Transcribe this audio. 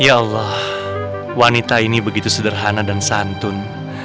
ya allah wanita ini begitu sederhana dan santun